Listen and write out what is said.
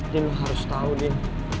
din lo harus tau din